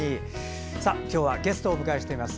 今日はゲストをお迎えしています。